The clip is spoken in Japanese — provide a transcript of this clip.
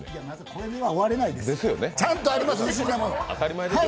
これでは終われないです、ちゃんとあります。